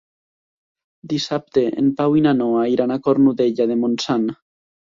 Dissabte en Pau i na Noa iran a Cornudella de Montsant.